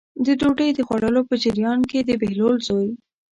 د ډوډۍ د خوړلو په جریان کې د بهلول زوی.